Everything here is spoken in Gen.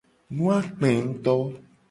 Nu a kpe nguto.